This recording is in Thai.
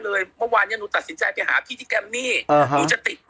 เลยเมื่อวานเนี้ยหนูตัดสินใจไปที่แกมงี้เออหาหนูจะติดใหม่